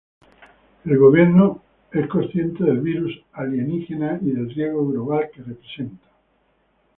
El gobierno es consciente del virus alienígena y del riesgo global que representa.